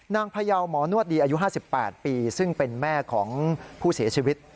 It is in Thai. พยาวหมอนวดดีอายุ๕๘ปีซึ่งเป็นแม่ของผู้เสียชีวิต